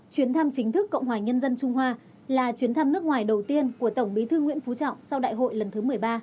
chuyến thăm chính thức cộng hòa nhân dân trung hoa là chuyến thăm nước ngoài đầu tiên của tổng bí thư nguyễn phú trọng sau đại hội lần thứ một mươi ba